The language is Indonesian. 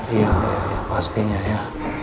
iya pastinya ya